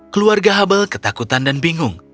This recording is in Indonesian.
keluarga hubble ketakutan dan bingung